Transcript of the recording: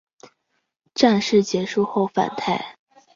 战事结束后返台。